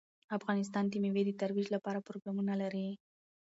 افغانستان د مېوې د ترویج لپاره پروګرامونه لري.